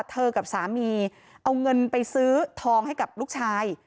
กับสามีเอาเงินไปซื้อทองให้กับลูกชาย